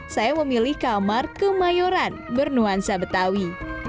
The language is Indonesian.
saya memilih kamar kemayoran bernuansa betawi